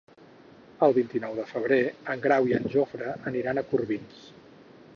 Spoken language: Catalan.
El vint-i-nou de febrer en Grau i en Jofre aniran a Corbins.